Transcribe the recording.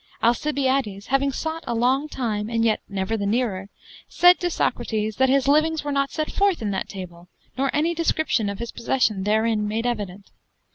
Alcibiades, having sought a long time and yet never the nearer, sayde to Socrates that his livings were not set forth in that table, nor any discription of his possession therein made evident.